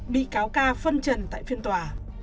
bị cáo ca phân trần tại phiên tòa